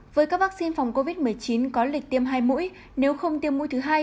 với các vaccine phòng covid một mươi chín có lịch tiêm hai mũi nếu không tiêm mũi thứ hai